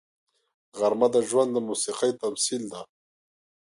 غرمه د ژوند د موسیقۍ تمثیل ده